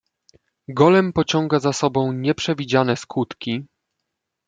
"Golem pociąga za sobą nieprzewidziane skutki."